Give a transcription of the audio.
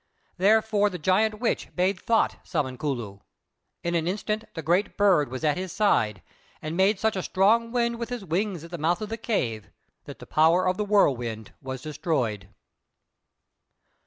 Therefore the Giant Witch bade Thought summon Culloo. In an instant the great bird was at his side, and made such a strong wind with his wings at the mouth of the cave that the power of the Whirlwind was destroyed.